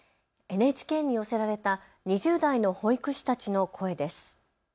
ＮＨＫに寄せられた２０代の保育士たちの声です。